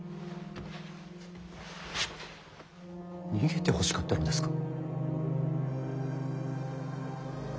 逃げてほしかったのですか。